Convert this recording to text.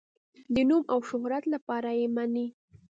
د نوم او شهرت لپاره یې مني.